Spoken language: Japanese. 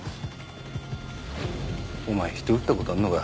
お前人撃ったことあんのか？